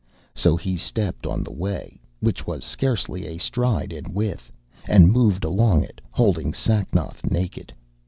So he stepped on to the way, which was scarcely a stride in width, and moved along it holding Sacnoth naked.